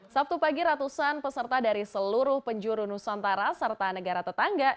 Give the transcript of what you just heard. sabtu pagi ratusan peserta dari seluruh penjuru nusantara serta negara tetangga